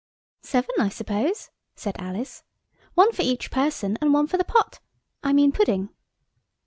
"Seven, I suppose," said Alice; "one for each person and one for the pot–I mean pudding."